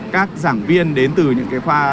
các giảng viên đến từ những cái khoa